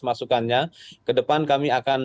masukannya kedepan kami akan